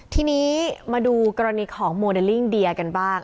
ทีนี้มาดูกรณีของโมเดลลิ่งเดียกันบ้าง